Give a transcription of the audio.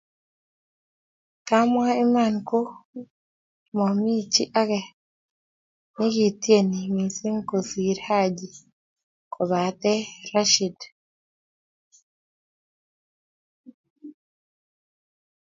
kawmwa iman ko momii chi age nikitieni mising kosir Haji kobate Rashid